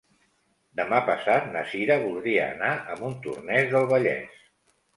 Demà passat na Sira voldria anar a Montornès del Vallès.